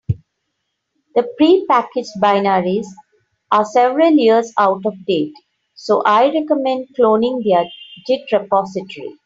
The prepackaged binaries are several years out of date, so I recommend cloning their git repository.